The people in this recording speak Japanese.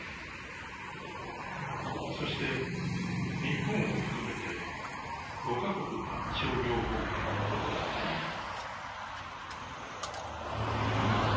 そして日本を含めて５か国が商業捕鯨を行っている。